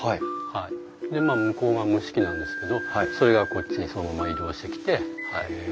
でまあ向こうが蒸し器なんですけどそれがこっちにそのまま移動してきて。